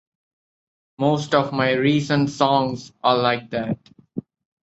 Most of my recent songs are like that.